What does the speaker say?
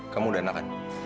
kamu udah enakan